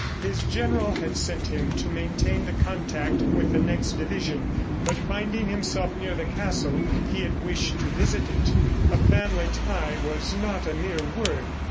His general had sent him to maintain the contact with the next division, but finding himself near the castle, he had wished to visit it. A family tie was not a mere word.